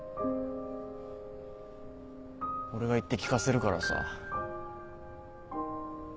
俺が言って聞かせるからさ。